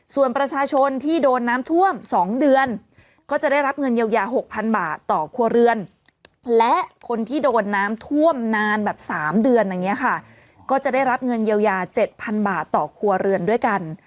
ส่วนประชาชนที่โดนน้ำท่วม๒เดือนก็จะได้รับเงินเยียวยา๖๐๐๐บาทต่อครัวเรือนและคนที่โดนน้ำท่วมนานแบบ๓เดือนอย่างนี้ค่ะก็จะได้รับเงินเยียวยา๗๐๐บาทต่อครัวเรือนด้วยกัน